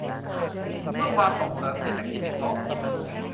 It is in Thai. เพื่อความส่งเสริมเศรษฐกิจในท้องถิ่น